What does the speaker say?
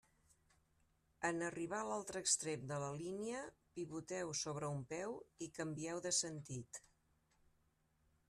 En arribar a l'altre extrem de la línia, pivoteu sobre un peu i canvieu de sentit.